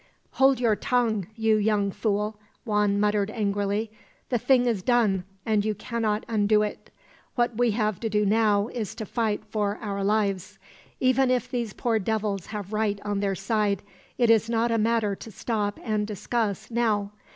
"Hold your tongue, you young fool!" Juan muttered angrily. "The thing is done, and you cannot undo it. What we have to do now is to fight for our lives. Even if these poor devils have right on their side, it is not a matter to stop and discuss, now.